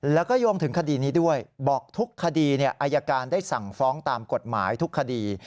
แล้วก็โยงถึงคดีนี้ด้วยบอกทุกคดีอายการได้สั่งฟ้องตามกฎหมายทุกคดี